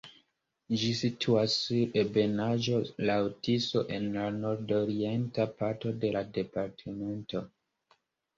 Ĝi situas sur ebenaĵo laŭ Tiso en la nordorienta parto de la departemento.